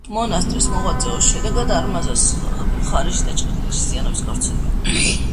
მონასტრის მოღვაწეობის შედეგად არზამასის მხარეში დაჩქარდა ქრისტიანობის გავრცელება.